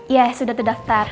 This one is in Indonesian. ya sudah tedaftar